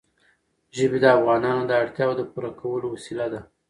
ژبې د افغانانو د اړتیاوو د پوره کولو وسیله ده.